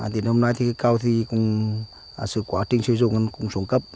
đến hôm nay thì cầu thì cũng sự quá trình sử dụng cũng xuống cấp